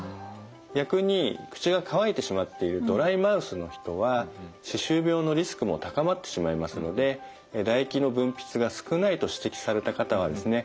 逆に口が乾いてしまっているドライマウスの人は歯周病のリスクも高まってしまいますので唾液の分泌が少ないと指摘された方はですね